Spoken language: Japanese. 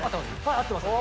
合ってますね。